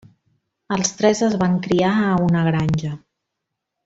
Els tres es van criar a una granja.